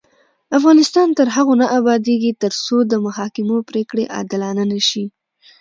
افغانستان تر هغو نه ابادیږي، ترڅو د محاکمو پریکړې عادلانه نشي.